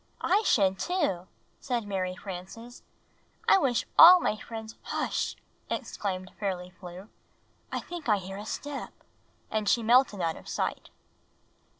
"I should, too," said Mary Frances. ''I wish all my friends " "Hush!" exclaimed Fairly Flew. "I think I hear a step!" And she melted out of sight.